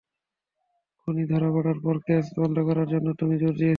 খুনি ধরা পড়ার পর কেস বন্ধ করার জন্য তুমি জোর দিয়েছিলে।